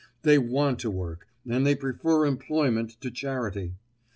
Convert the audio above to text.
They want to work and they prefer employment to charity.